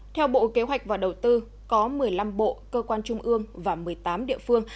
theo bộ kế hoạch và đầu tư có một mươi năm bộ cơ quan trung ương và một mươi tám địa phương